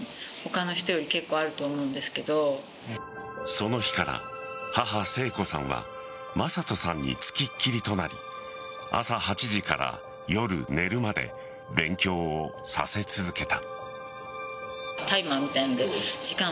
その日から母・誠子さんは匡人さんにつきっきりとなり朝８時から夜寝るまで勉強をさせ続けた。